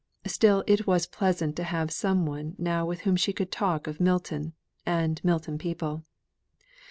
Still it was pleasant to have some one now with whom she could talk of Milton, and Milton people.